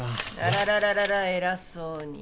あららら偉そうに。